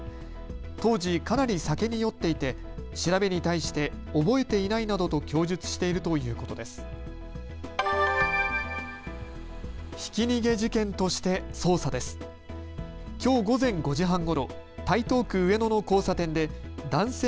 当時、かなり酒に酔っていて調べに対して覚えていないなどと供述しているということです。